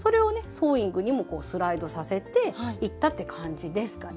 ソーイングにもスライドさせていったって感じですかね。